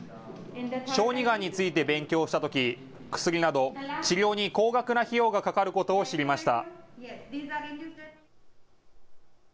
小児がんについて勉強したとき薬など、治療に高額な費用がかかることを知りました。